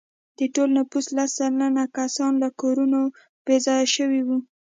د ټول نفوس لس سلنه کسان له کورونو بې ځایه شوي وو.